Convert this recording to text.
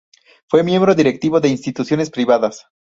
Fue miembro directivo de instituciones privadas.